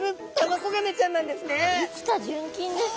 生きた純金ですか？